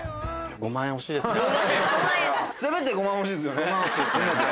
５万は欲しいですね。